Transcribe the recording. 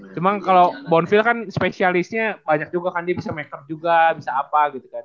cuman kalo bonville kan spesialisnya banyak juga kan dia bisa makeup juga bisa apa gitu kan